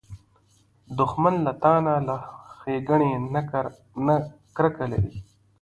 دښمن له تا نه، له ښېګڼې نه کرکه لري